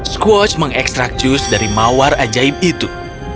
squatch mengekstrak jus dari mawar ajaib itu